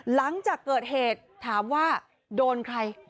หลังจากเกิดเหตุถามว่าโดนใคร